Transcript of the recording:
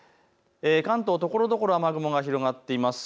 関東、ところどころ雨雲が広がっています。